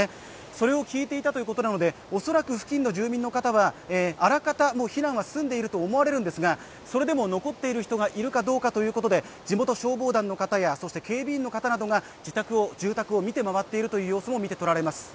それを聞いていたということなので恐らく付近の住民の方は、あらかた避難は済んでいると思われるんですが、それでも残っている人がいるかどうか、地元消防団や警備員の方が住宅を見て回っているという様子も見てとれます。